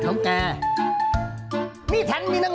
ใช่ครับครับครับบ้านป่ายยาง